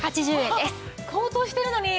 ハハッ高騰してるのに。